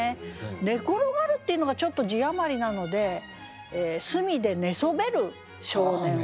「寝転がる」っていうのがちょっと字余りなので「隅で寝そべる少年を」。